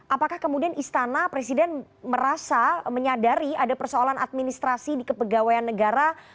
apakah kemudian istana presiden merasa menyadari ada persoalan administrasi di kepegawaian negara